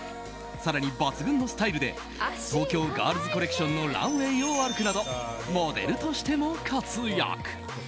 更に、抜群のスタイルで東京ガールズコレクションのランウェーを歩くなどモデルとしても活躍。